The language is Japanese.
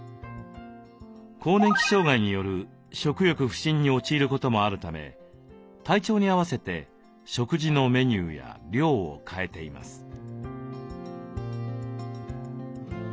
更年期障害による食欲不振に陥ることもあるため体調に合わせて食事のメニューや量を変えています。